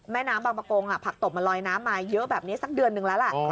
แม่น้ำบางประกงผักตบมันลอยน้ำมาเยอะแบบนี้สักเดือนนึงแล้วล่ะ